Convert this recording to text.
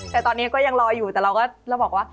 แต่ตอนนี้ก็ยังรออยู่แต่เราก็เราบอกว่า